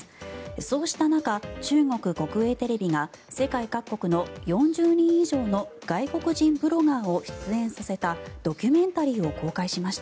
そうした中、中国国営テレビが世界各国の４０人以上の外国人ブロガーを出演させたドキュメンタリーを公開しました。